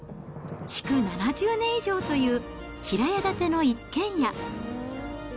築７０年以上という平屋建ての一軒家。